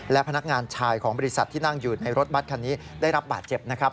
และพนักงานชายของบริษัทที่นั่งอยู่ในรถบัตรคันนี้ได้รับบาดเจ็บนะครับ